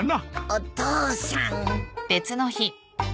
お父さん。